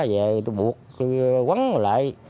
giờ tôi buộc tôi quấn lại